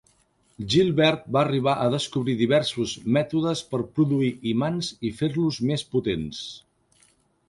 Gilbert va arribar a descobrir diversos mètodes per produir imants i fer-los més potents.